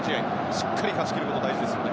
しっかり勝ち切ることが大事ですよね。